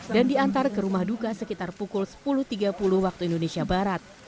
dan diantar ke rumah duka sekitar pukul sepuluh tiga puluh waktu indonesia barat